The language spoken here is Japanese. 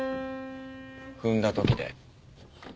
踏んだ時で。